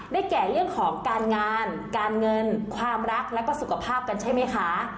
แก่เรื่องของการงานการเงินความรักแล้วก็สุขภาพกันใช่ไหมคะ